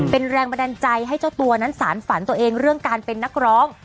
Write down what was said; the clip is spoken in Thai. เป็นแรงบันดาลใจให้เจ้าตัวนั้นสารฝันตัวเองเรื่องการเป็นนักร้อง